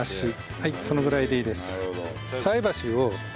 はいそのぐらいでいいです。